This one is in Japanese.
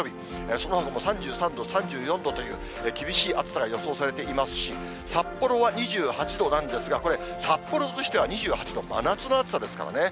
そのほかも３３度、３４度という、厳しい暑さが予想されていますし、札幌は２８度なんですが、これ、札幌としては２８度、真夏の暑さですからね。